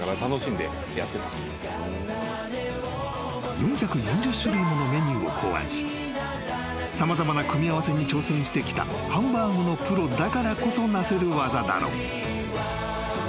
［４４０種類ものメニューを考案し様々な組み合わせに挑戦してきたハンバーグのプロだからこそなせる技だろう］